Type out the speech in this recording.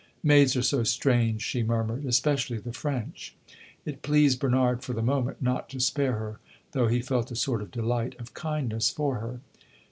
"Maids are so strange," she murmured; "especially the French!" It pleased Bernard for the moment not to spare her, though he felt a sort of delight of kindness for her.